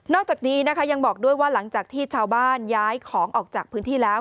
จากนี้นะคะยังบอกด้วยว่าหลังจากที่ชาวบ้านย้ายของออกจากพื้นที่แล้ว